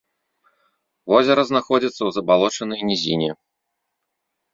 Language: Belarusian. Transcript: Возера знаходзіцца ў забалочанай нізіне.